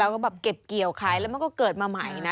แล้วก็แบบเก็บเกี่ยวขายแล้วมันก็เกิดมาใหม่นะ